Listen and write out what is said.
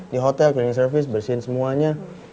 di hotel cleaning service bersihin semuanya